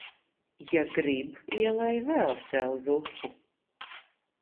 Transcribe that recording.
Ja grib ielej vēl sev zupu!